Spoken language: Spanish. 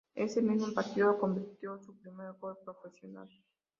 Ese mismo partido, convirtió su primer gol profesional.